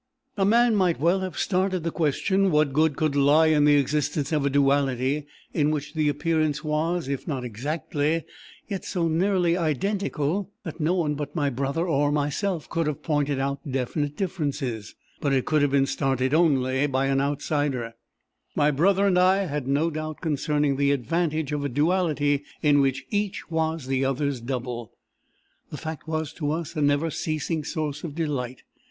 "A man might well have started the question what good could lie in the existence of a duality in which the appearance was, if not exactly, yet so nearly identical, that no one but my brother or myself could have pointed out definite differences; but it could have been started only by an outsider: my brother and I had no doubt concerning the advantage of a duality in which each was the other's double; the fact was to us a never ceasing source of delight.